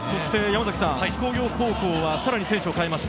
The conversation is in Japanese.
津工業高校はさらに選手を代えました。